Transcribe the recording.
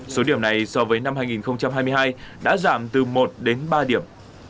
số điểm này so với năm hai nghìn hai mươi hai đã giảm từ một đến ba điểm